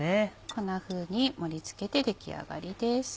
こんなふうに盛り付けて出来上がりです。